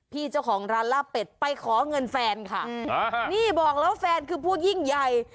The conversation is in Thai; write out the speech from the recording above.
พี่เจ้าของร้านลาบเป็ดไปขอเงินแฟนค่ะนี่บอกแล้วแฟนคือผู้ยิ่งใหญ่